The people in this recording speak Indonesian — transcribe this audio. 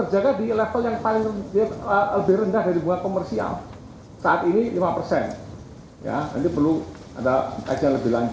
jadi kenapa ini juga nabung